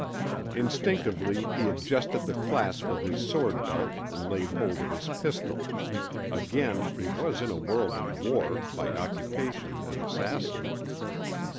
Instinctively he adjusted the clasp of his sword belt and laid hold of his pistol—again he was in a world of war, by occupation an assassin.